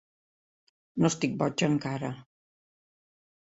No estic boig, encara.